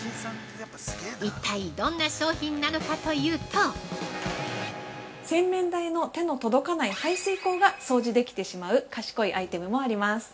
一体、どんな商品なのかというと◆洗面台やの手の届かない排水溝が掃除できてしまう賢いアイテムもあります。